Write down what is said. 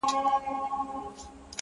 څنگ ته چي زه درغــــلـم’